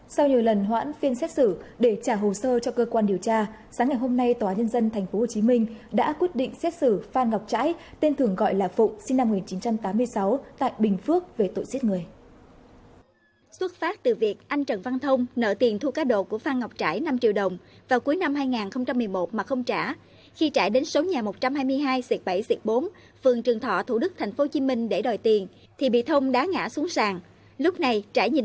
sau nhiều lần hoãn phiên xét xử để trả hồ sơ cho cơ quan điều tra sáng ngày hôm nay tòa nhân dân tp hcm đã quyết định xét xử phan ngọc trãi tên thường gọi là phụng sinh năm một nghìn chín trăm tám mươi sáu tại bình phước về tội giết người